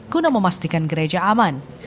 guna memastikan gereja aman